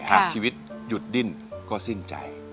หากชีวิตหยุดดิ้นก็สิ้นใจ